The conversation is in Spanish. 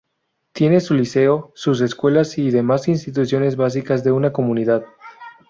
Tiene su liceo, sus escuelas y demás instituciones básicas de una comunidad.